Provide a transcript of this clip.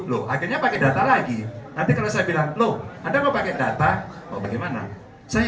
loh akhirnya pakai data lagi tapi kalau saya bilang lo ada mau pakai data bagaimana saya